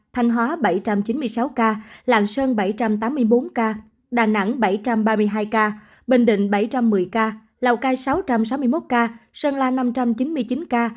thanh hóa bảy trăm chín mươi sáu ca lạng sơn bảy trăm tám mươi bốn ca đà nẵng bảy trăm ba mươi hai ca bình định bảy trăm một mươi ca lào cai sáu trăm sáu mươi một ca sơn la năm trăm chín mươi chín ca